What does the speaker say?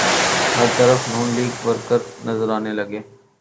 ہر طرف نون لیگی ورکر نظر آنے لگے۔